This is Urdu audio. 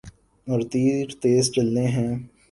اور تیر تیز چلنے ہیں۔